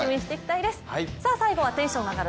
最後はテンション上がる